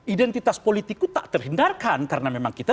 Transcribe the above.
identitas politik itu tak terhindarkan karena